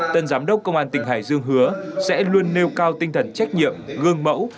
tân giám đốc công an tỉnh hải dương hứa sẽ luôn nêu cao tinh thần trách nhiệm gương mẫu